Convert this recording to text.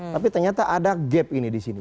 tapi ternyata ada gap ini di sini